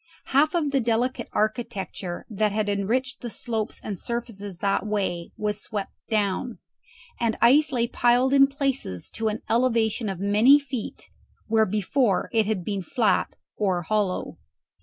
Half of the delicate architecture that had enriched the slopes and surfaces that way was swept down, and ice lay piled in places to an elevation of many feet, where before it had been flat or hollow.